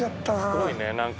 すごいね何か。